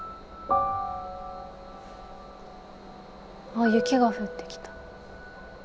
あっ雪が降ってきた。